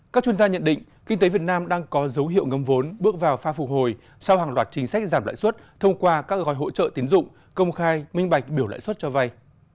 các chuyên gia nhận định kinh tế việt nam đang có dấu hiệu ngâm vốn bước vào pha phục hồi sau hàng loạt chính sách giảm lãi suất thông qua các gói hỗ trợ tiến dụng công khai minh bạch biểu lãi suất cho vay